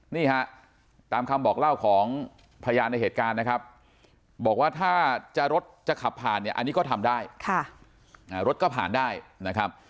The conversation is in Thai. นี่ฮะตามคำบอกเล่าของพยานในเหตุการณ์นะครับบอกว่าถ้าจะรถจะขับผ่านเนี่ยอันนี้ก็ทำได้รถก็ผ่านได้นะครับ